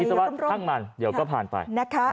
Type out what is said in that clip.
อิตถวัตรทั้งมันเดี๋ยวก็ผ่านไป